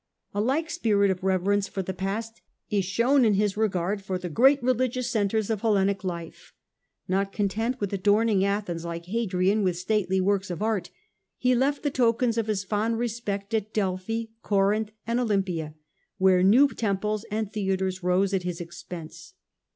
A like spirit of reverence for the past is shown in his regard for the great religious centres of Hellenic life. Not content with adorning Athens, like Hadrian, with stately works of art, he left the tokens of his fond respect at Delphi, Corinth, and Olympia, where new temples and theatres rose at his expense.